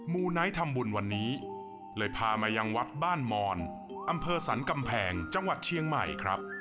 ูไนท์ทำบุญวันนี้เลยพามายังวัดบ้านมอนอำเภอสรรกำแพงจังหวัดเชียงใหม่ครับ